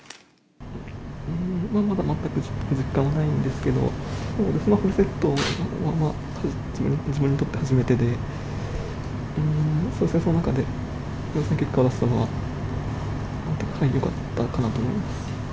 まだ全く実感はないですけど、フルセットは自分にとって初めてで、そしてその中で結果を出せたのはよかったかなと思います。